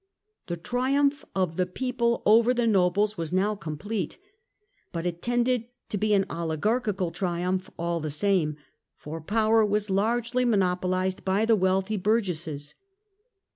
The triumph of the people over the nobles was now complete ; but it tended to be an ohgarchical triumph all the same, for power was largely monopolised by the wealthy burgesses.